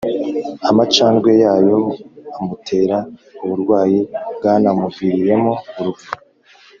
amacandwe yayo amutera uburwayi bwanamuviriyemo urupfu